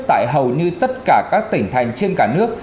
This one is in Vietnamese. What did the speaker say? tại hầu như tất cả các tỉnh thành trên cả nước